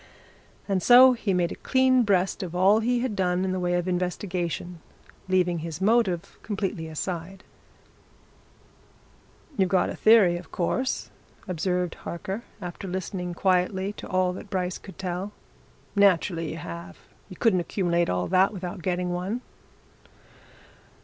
And so he made a clean breast of all he had done in the way of investigation, leaving his motive completely aside. "You've got a theory, of course?" observed Harker, after listening quietly to all that Bryce could tell. "Naturally, you have! You couldn't accumulate all that without getting one."